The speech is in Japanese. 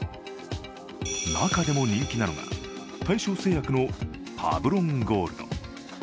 中でも人気なのが大正製薬のパブロンゴールド。